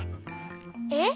えっ？